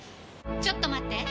ちょっと待って！